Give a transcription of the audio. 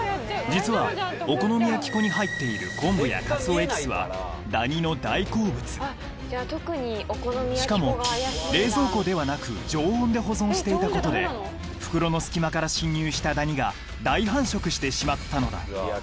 実はお好み焼き粉に入っている昆布やカツオエキスはダニの大好物しかも冷蔵庫ではなく常温で保存していたことで袋の隙間から侵入したダニが大繁殖してしまったのだいや